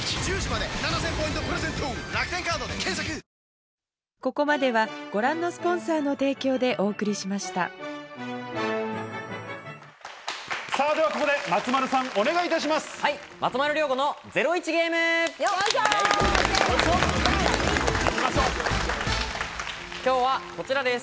さぁ、ではここで松丸さんお願いします。